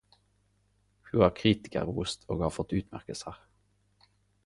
Ho er kritikerrost og har fått utmerkelsar.